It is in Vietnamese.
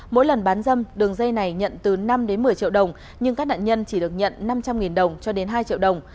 mỗi lần bán dâm đường dây này nhận từ năm đến một mươi triệu đồng nhưng các nạn nhân chỉ được nhận năm trăm linh đồng cho đến hai triệu đồng